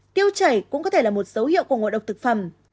tiêu chảy cũng có thể là một dấu hiệu của ngộ độc thực phẩm